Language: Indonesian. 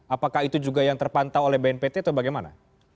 apakah itu juga yang terpantau oleh bnpt atau bagaimana